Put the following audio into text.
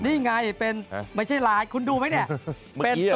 นี่ไงเป็นไม่ใช่ไลน์คุณดูไหมเนี่ย